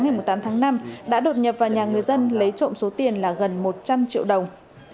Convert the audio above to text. ngày tám tháng năm đã đột nhập vào nhà người dân lấy trộm số tiền là gần một trăm linh triệu đồng